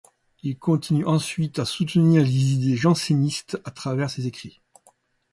Il continue ensuite à soutenir les idées jansénistes à travers ses écrits.